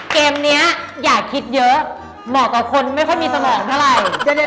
เกมนี้อย่าคิดเยอะหมอบกับคนไม่ค่อยมีสมองมีที